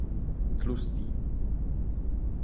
Tlustý.